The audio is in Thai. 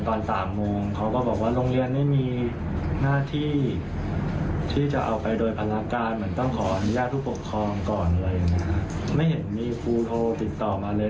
ก่อนอะไรอย่างนี้ฮะไม่เห็นมีครูโทรติดต่อมาเลย